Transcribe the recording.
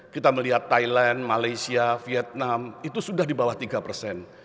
kita melihat thailand malaysia vietnam itu sudah di bawah tiga persen